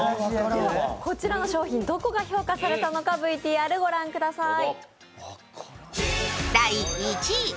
こちらの商品、どこが評価されたのかＶＴＲご覧ください。